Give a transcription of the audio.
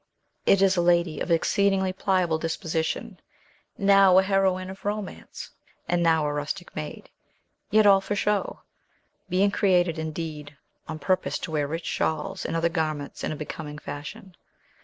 It is a lady of exceedingly pliable disposition; now a heroine of romance, and now a rustic maid; yet all for show; being created, indeed, on purpose to wear rich shawls and other garments in a becoming fashion.